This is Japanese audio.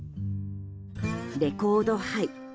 レコードハイ